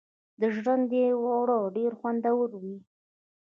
د ژرندې اوړه ډیر خوندور وي.